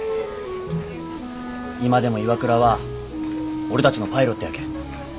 今でも岩倉は俺たちのパイロットやけん。